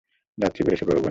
যাত্রী বেড়েছে বহুগুণ।